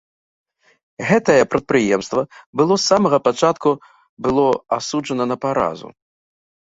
Гэтае прадпрыемства было з самага пачатку было асуджана на паразу.